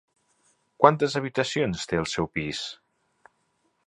Quantes habitacions té el seu pis?